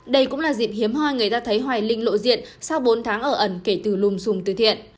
đây cũng là dịp hiếm hoi người ta thấy hoài linh lộ diện sau bốn tháng ở ẩn kể từ lùm xùm từ thiện